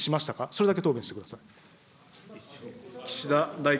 それだけ答弁してください。